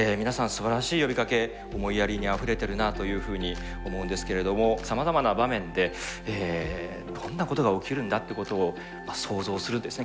すばらしい呼びかけ思いやりにあふれてるなというふうに思うんですけれども「さまざまな場面でどんなことが起きるんだってことを想像する」ですね。